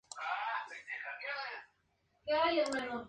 Su carrera empezaría como director de videos musicales.